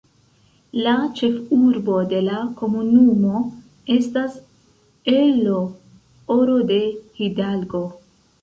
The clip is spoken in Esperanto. La ĉefurbo de la komunumo estas El Oro de Hidalgo.